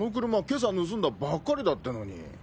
今朝盗んだばっかりだってのに。